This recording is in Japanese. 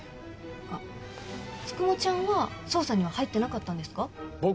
あっ、九十九ちゃんは、捜査には入ってなかったんですか？